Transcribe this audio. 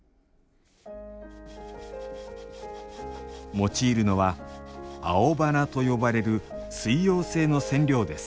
用いるのは「青花」と呼ばれる水溶性の染料です